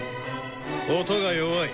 音が弱い。